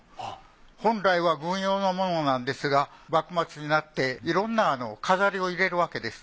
本来は軍用のものなんですが幕末になっていろんな飾りを入れるわけです。